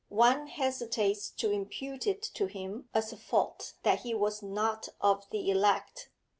One hesitates to impute it to him as a fault that he was not of the elect.